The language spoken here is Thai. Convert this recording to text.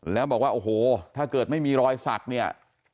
แล้วบอกว่าโอ้โหถ้าเกิดไม่มีรอยสักเนี่ย